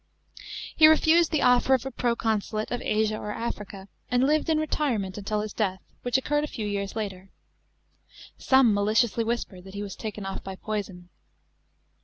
He refused the offer of a proconsulate (of Asia or Africa), and lived in retirement until his death, which occurred a few years later. Some maliciously whispered that he was taken off by poison.